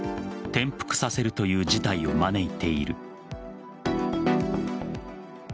転覆させるという事態を招いている。